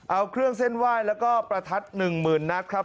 เอาเครื่องเส้นไหว้แล้วก็ประทัด๑๐๐๐นัดครับ